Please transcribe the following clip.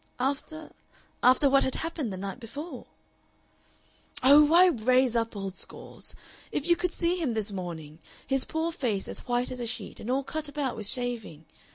"After after what had happened the night before?" "Oh, why raise up old scores? If you could see him this morning, his poor face as white as a sheet and all cut about with shaving!